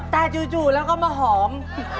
แต่จู่แล้วก็มาหอม